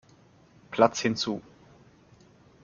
Platz hinzu.